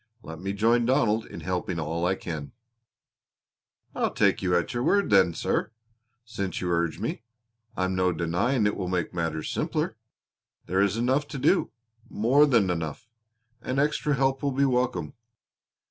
Let me join Donald in helping all I can." "I'll take you at your word then, sir, since you urge me. I'm no denying it will make matters simpler. There is enough to do more than enough, and extra help will be welcome.